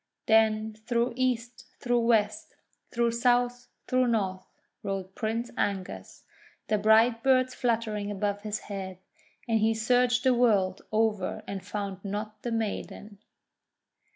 Then through East, through West, through South, through North, rode Prince Angus, the bright birds fluttering above his head, and he searched the world over and found not the maiden.